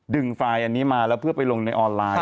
ไฟล์อันนี้มาแล้วเพื่อไปลงในออนไลน์